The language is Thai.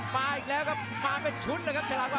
มาอีกแล้วครับมาเป็นชุดเลยครับฉลาดวา